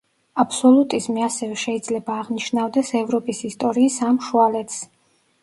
აბსოლუტიზმი ასევე შეიძლება აღნიშნავდეს ევროპის ისტორიის ამ შუალედს.